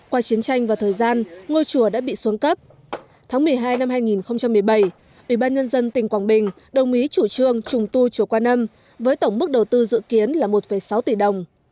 qua chiến tranh và thời gian ngôi chùa đã bị xuống cấp tháng một mươi hai năm hai nghìn một mươi bảy ủy ban nhân dân tỉnh quảng bình đồng ý chủ trương trùng tu chùa quan âm với tổng mức đầu tư dự kiến là một sáu tỷ đồng